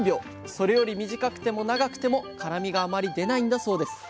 それより短くても長くても辛みがあまり出ないんだそうです。